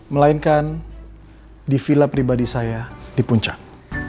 melainkan di villa pribadi saya di puncak